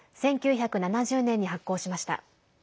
１９７０年に発効しました。